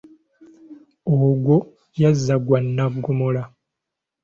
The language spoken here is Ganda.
Ogwo yazza gwa Nnaggomola.